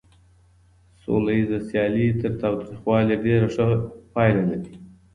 سوليزه سيالي تر تاوتريخوالي ډېره ښه پايله لري.